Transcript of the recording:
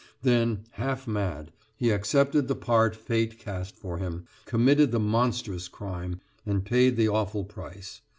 Then, half mad, he accepted the part Fate cast him for committed the monstrous crime, and paid the awful price.